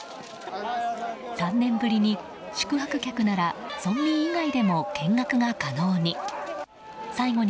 ３年ぶりに、宿泊客なら村民以外でも見学が可能に。